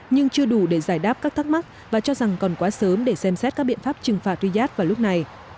nhưng chưa đủ để giải đáp các thắc mắc và cho rằng còn quá sớm để xem xét các biện pháp trừng phạt riyadh vào lúc này